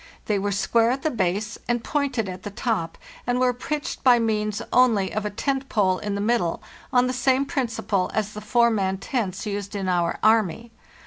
They were square at the base and pointed at the top, and were pitched by means only of a tent pole in the middle, on the same principle as the four man tents used in our army.